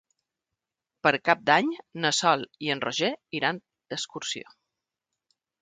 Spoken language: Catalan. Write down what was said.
Per Cap d'Any na Sol i en Roger iran d'excursió.